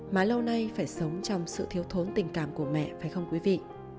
mà lâu nay phải sống trong sự thiếu thốn tình cảm của mẹ phải không quý vị